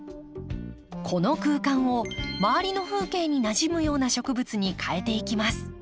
この空間を周りの風景になじむような植物にかえていきます。